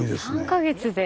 ３か月で。